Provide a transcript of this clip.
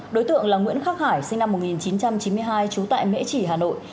đối tượng là nguyễn khắc hải sinh năm một nghìn chín trăm chín mươi hai trú tại mễ trì hà nội